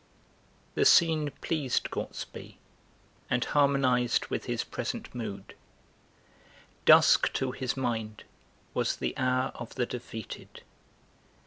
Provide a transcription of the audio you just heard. The scene pleased Gortsby and harmonised with his present mood. Dusk, to his mind, was the hour of the defeated.